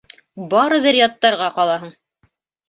Барыбер яттарға ҡалаһың